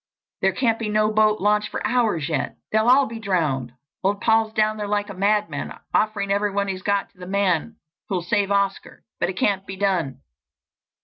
There can't be no boat launched for hours yet—they'll all be drowned. Old Paul's down there like a madman—offering everything he's got to the man who'll save Oscar, but it can't be done."